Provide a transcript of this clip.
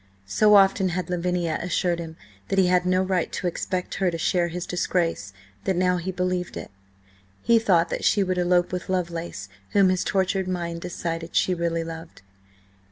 So often had Lavinia assured him that he had no right to expect her to share his disgrace, that now he believed it. He thought that she would elope with Lovelace, whom, his tortured mind decided, she really loved.